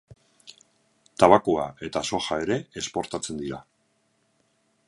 Tabakoa eta soja ere esportatzen dira.